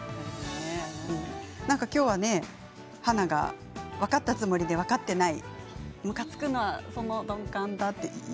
今日は花が分かったつもりで分かってないむかつくのはその鈍感だって。